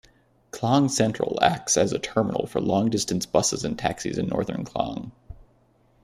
Klang Sentral acts as a terminal for long-distance buses and taxis in northern Klang.